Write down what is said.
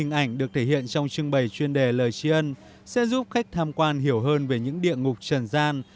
hình ảnh được thể hiện trong trưng bày chuyên đề lời tri ân sẽ giúp khách tham quan hiểu hơn về những địa ngục trần gian